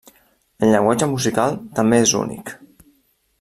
El llenguatge musical també és únic.